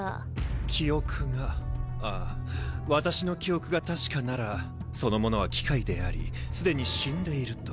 記憶があぁ私の記憶が確かならその者は機械であり既に死んでいると。